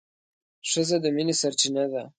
ښځه د مينې سرچينه ده